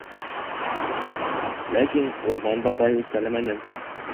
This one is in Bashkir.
Ләкин Урман бабай үпкәләмәне.